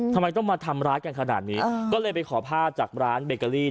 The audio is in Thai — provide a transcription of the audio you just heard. ทำไมต้องมาทำร้ายกันขนาดนี้